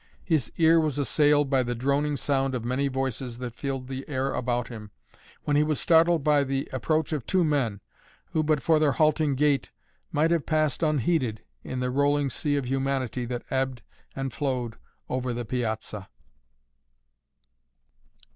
His ear was assailed by the droning sound of many voices that filled the air about him, when he was startled by the approach of two men, who, but for their halting gait, might have passed unheeded in the rolling sea of humanity that ebbed and flowed over the Piazza.